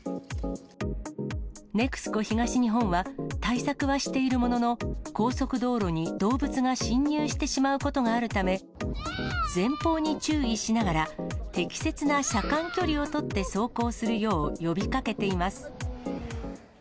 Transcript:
ＮＥＸＣＯ東日本は、対策はしているものの、高速道路に動物が進入してしまうことがあるため、前方に注意しながら、適切な車間距離を取って走行するよう呼びかけています。